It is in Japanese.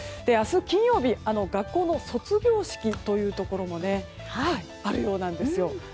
明日、金曜日学校の卒業式というところがあるようなんです。